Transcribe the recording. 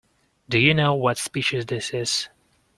Do you know what species this is?